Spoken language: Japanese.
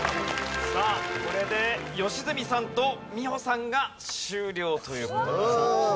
さあこれで良純さんと美穂さんが終了という事になりました。